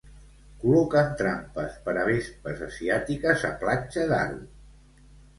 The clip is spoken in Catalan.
Col·loquen trampes per a vespes asiàtiques a Platja d'Aro.